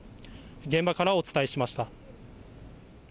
現場からお伝えしました。